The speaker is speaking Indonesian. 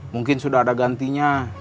mungkin sudah ada gantinya